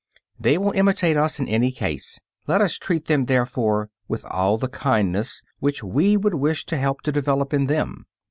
They will imitate us in any case. Let us treat them, therefore, with all the kindness which we would wish to help to develop in them.